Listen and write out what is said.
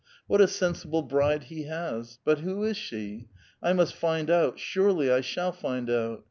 What a sensible ' bride ' he has I but who is she? I must find out, surely I shall find out!